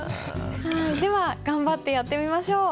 では頑張ってやってみましょう。